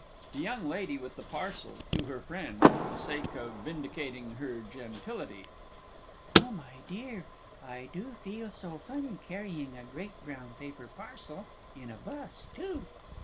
_ THE YOUNG LADY WITH THE PARCEL (to her friend for the sake of vindicating her gentility). Oh, my dear, I do feel so funny, carrying a great brown paper parcel, in a bus, too!